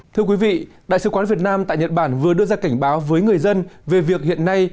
thưa quý vị đại sứ quán việt nam tại nhật bản vừa đưa ra cảnh báo với người dân về việc hiện nay